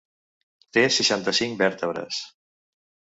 Té seixanta-cinc vèrtebres.